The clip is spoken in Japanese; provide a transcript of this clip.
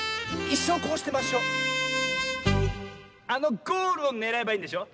あのゴールをねらえばいいんでしょ。